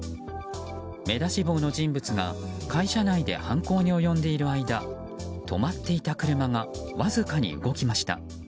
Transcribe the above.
目出し帽の人物が会社内で犯行に及んでいる間止まっていた車がわずかに動きました。